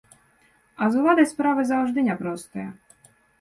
А з уладай справы заўжды няпростыя.